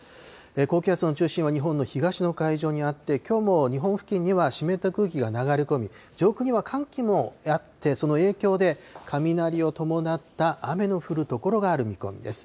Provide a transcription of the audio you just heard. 高気圧の中心は日本の東の海上にあって、きょうも日本付近には湿った空気が流れ込み、上空には寒気もあって、その影響で雷を伴った雨の降る所がある見込みです。